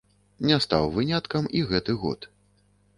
Не стаў выняткам і гэты год.